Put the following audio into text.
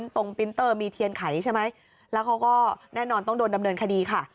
ปินเตอร์มีเทียนไขใช่ไหมแล้วเขาก็แน่นอนต้องโดนดำเนินคดีค่ะ